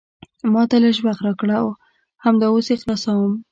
ما ته لیژ وخت راکړه، همدا اوس یې خلاصوم.